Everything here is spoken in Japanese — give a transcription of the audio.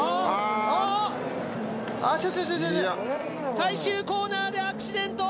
最終コーナーでアクシデント！